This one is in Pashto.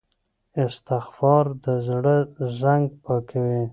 استغفار د زړه زنګ پاکوي.